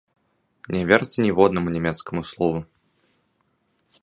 Не верце ніводнаму нямецкаму слову!